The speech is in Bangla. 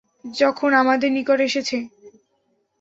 যখন এটা আমাদের নিকট এসেছে।